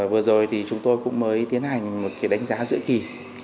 vừa rồi thì chúng tôi cũng mới tiến hành một cái đánh giá giữa kỳ